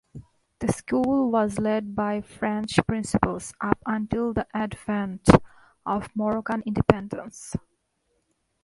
The school was led by French principals up until the advent of Moroccan independence.